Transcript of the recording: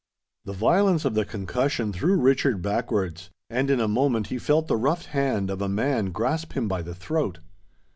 The violence of the concussion threw Richard backwards; and in a moment he felt the rough hand of a man grasp him by the throat.